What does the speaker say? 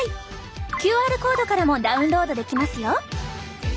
ＱＲコードからもダウンロードできますよ！